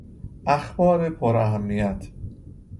اخبار پر اهمیت